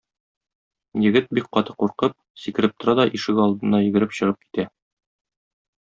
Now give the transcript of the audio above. Егет, бик каты куркып, сикереп тора да ишегалдына йөгереп чыгып китә.